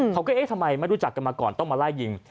เอ๊ะทำไมไม่รู้จักกันมาก่อนต้องมาไล่ยิง